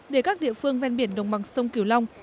để các địa phương ven biển đồng bằng sông kiều long